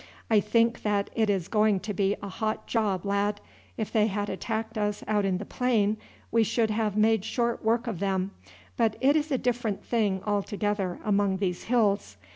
"I think that it is going to be a hot job, lad. If they had attacked us out in the plain we should have made short work of them, but it is a different thing altogether among these hills.